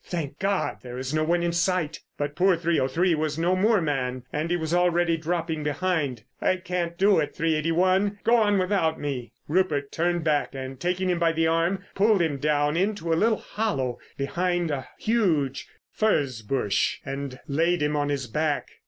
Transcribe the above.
Thank God, there is no one in sight!" But poor 303 was no moorman, and he was already dropping behind. "I can't do it, 381; go on without me!" Rupert turned back and, taking him by the arm, pulled him down into a little hollow behind a huge furze bush and laid him on his back.